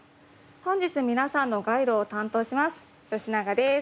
本日皆さんのガイドを担当します吉永です。